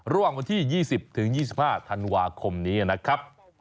วันที่๒๐๒๕ธันวาคมนี้นะครับ